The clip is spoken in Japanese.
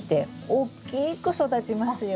おっきく育ちますよね。